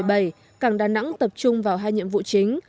năm hai nghìn một mươi bảy cảng đà nẵng tập trung vào hai nhiệm vụ chính